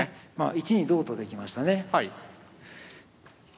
１二同と金できましたね。